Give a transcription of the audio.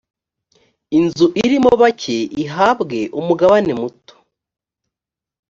inzu irimo bake ihabwe umugabane muto.